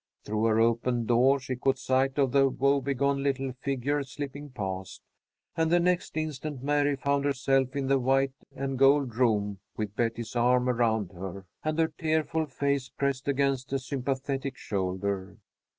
Through her open door she caught sight of the woebegone little figure slipping past, and the next instant Mary found herself in the white and gold room with Betty's arm around her, and her tearful face pressed against a sympathetic shoulder.